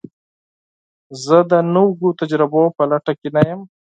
زه د نوو تجربو په لټه کې نه یم.